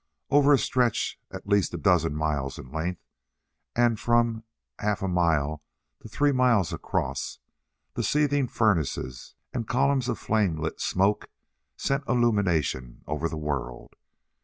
Over a stretch at least a dozen miles in length and from half a mile to three miles across, the seething furnaces and columns of flame lit smoke sent illumination over the world.